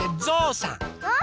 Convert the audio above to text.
ぞうさん。